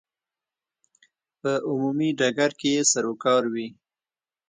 په عمومي ډګر کې یې سروکار وي.